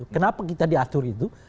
kenapa kita diatur itu